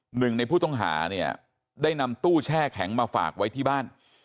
หนึ่งในผู้ต้องหาเนี่ยได้นำตู้แช่แข็งมาฝากไว้ที่บ้าน